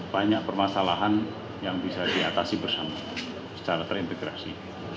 banyak permasalahan yang bisa diatasi bersama secara terintegrasi